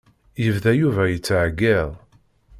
Yebda Yuba yettɛeyyiḍ.